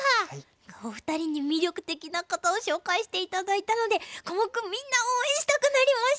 お二人に魅力的な方を紹介して頂いたのでコモクみんな応援したくなりました！